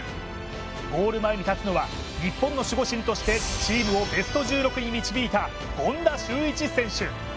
ゴール前に立つのは日本の守護神としてチームをベスト１６に導いた権田修一選手。